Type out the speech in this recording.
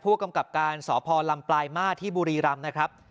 ผู้กำกับการสพลำปลายมาสที่บุรีรำนะครับ